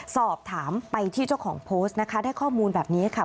สอบถามไปที่เจ้าของโพสต์นะคะได้ข้อมูลแบบนี้ค่ะ